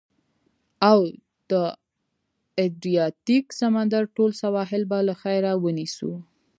او د ادریاتیک سمندر ټول سواحل به له خیره، ونیسو.